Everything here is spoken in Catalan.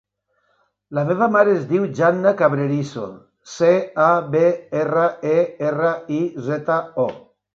La meva mare es diu Janna Cabrerizo: ce, a, be, erra, e, erra, i, zeta, o.